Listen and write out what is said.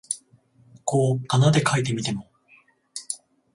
こう仮名で書いてみても、